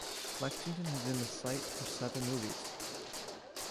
Lexington has been the site for several movies.